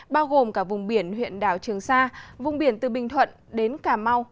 bao gồm cả vùng biển huyện đảo trường sa vùng biển từ bình thuận đến cà mau